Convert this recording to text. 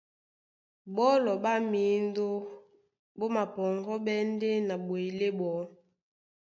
Ɓɔ́lɔ ɓá mǐndó ɓó mapɔŋgɔ́ɓɛ́ ndé na ɓwelé ɓɔɔ́.